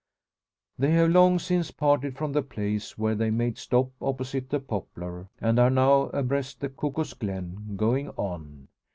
They have long since parted from the place where they made stop opposite the poplar, and are now abreast the Cuckoo's Glen, going on.